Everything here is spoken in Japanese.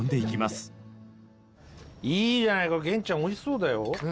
いいじゃない源ちゃんおいしそうだよ。